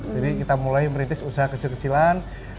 jadi kita mulai merintis usaha kecil kecilan